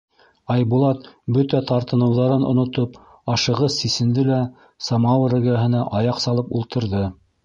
Айбулат, бөтә тартыныуҙарын онотоп, ашығыс сисенде лә самауыр эргәһенә аяҡ салып ултырҙы.